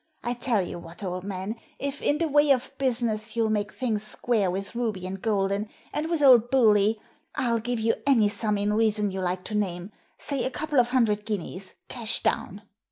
I tell you what, old man, if, in the way of business, you'll make things square with Ruby and Golden, and with old Bewlay, I'll give you any sum in reason you like to name, say a couple of hundred guineas, cash down."